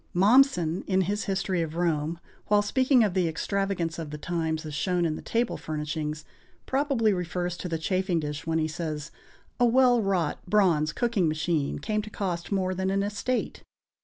Mommsen, in his history of Rome, while speaking of the extravagance of the times, as shown in the table furnishings, probably refers to the chafing dish when he says: "A well wrought bronze cooking machine came to cost more than an estate."